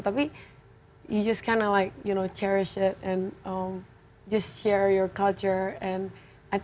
tapi anda hanya menghargainya dan hanya berbagi kultur anda